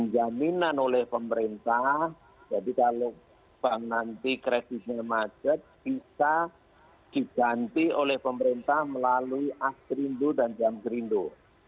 jadi kalau nanti kreditnya macet bisa diganti oleh pemerintah melalui as kerindu dan jam kerindu